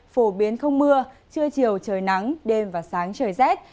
phổ biến không mưa trưa chiều trời nắng đêm và sáng trời rét